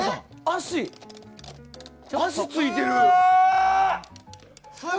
足、ついてる！